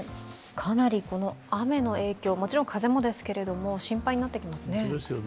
かなり雨の影響、もちろん風もですけど心配になってきますね。